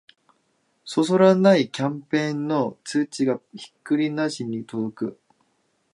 そそらないキャンペーンの通知がひっきりなしに届く